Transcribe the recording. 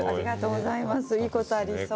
いいことありそう。